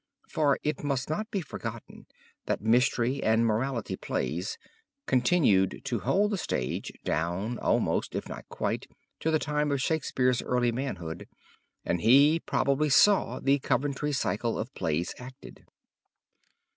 For it must not be forgotten, that mystery and morality plays continued to hold the stage down almost, if not quite, to the time of Shakespeare's early manhood, and he probably saw the Coventry Cycle of plays acted.